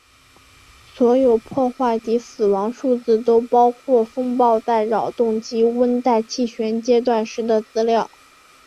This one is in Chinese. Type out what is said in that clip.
所有破坏及死亡数字都包括风暴在扰动及温带气旋阶段时的资料。